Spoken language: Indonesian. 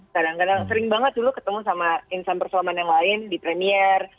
kadang kadang sering banget dulu ketemu sama insan persulaman yang lain di premier